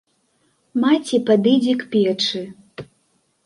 Маці падыдзе к печы.